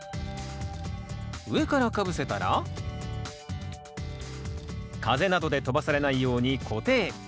上からかぶせたら風などで飛ばされないように固定。